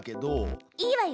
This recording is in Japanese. いいわよ。